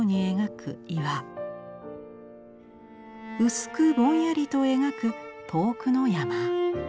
薄くぼんやりと描く遠くの山。